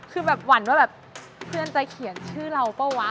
คือแบบหวั่นว่าแบบเพื่อนจะเขียนชื่อเราเปล่าวะ